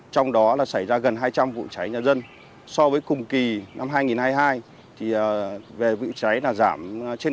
trong đó là xảy ra gần hai trăm linh vụ cháy nhà dân so với cùng kỳ năm hai nghìn hai mươi hai về vụ cháy là giảm trên chín mươi